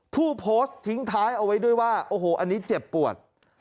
ผู้โพสต์ทิ้งท้ายเอาไว้ด้วยว่าโอ้โหอันนี้เจ็บปวด